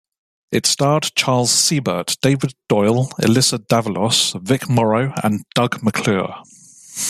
It starred Charles Siebert, David Doyle, Elyssa Davalos, Vic Morrow, and Doug McClure.